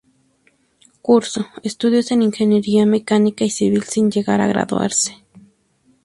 Cursó estudios en ingeniería mecánica y civil sin llegar a graduarse.